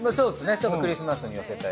ちょっとクリスマスに寄せて。